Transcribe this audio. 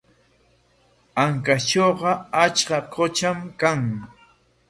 Ancashtrawqa achka qutram kan.